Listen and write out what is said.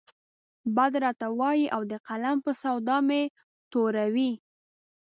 بد راته وايي او د قلم په سودا مې توره وي.